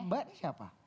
mbak ini siapa